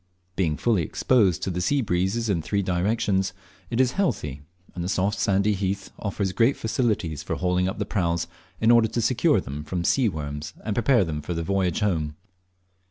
Being fully exposed to the sea breezes in three directions it is healthy, and the soft sandy heath offers great facilities for hauling up the praus, in order to secure them from sea worms and prepare them for the homeward voyage.